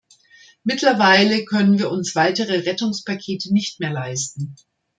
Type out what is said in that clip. Mittlerweile können wir uns weitere Rettungspakete nicht mehr leisten.